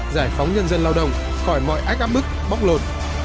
giải phóng nhân dân lao động khỏi mọi ách áp bức bóc lột